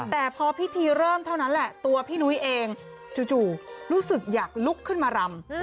แต่พอพิธีเริ่มเท่านั้นแหละตัวพี่นุ้ยเองจู่รู้สึกอยากลุกขึ้นมารำ